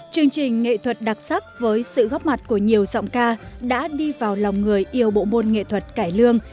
chương trình nghệ thuật đặc sắc với sự góp mặt của nhiều giọng ca đã đi vào lòng người yêu bộ môn nghệ thuật cải lương